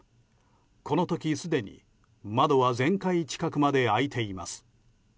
この時、すでに窓は全開近くまで開いています。